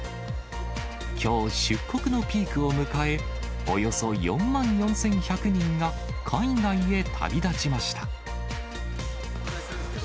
きょう、出国のピークを迎え、およそ４万４１００人が海外へ旅立ちました。